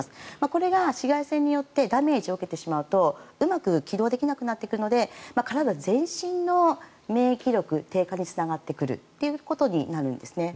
これが紫外線によってダメージを受けてしまうとうまく起動できなくなってくるので体全身の免疫力低下につながってくるということになるんです。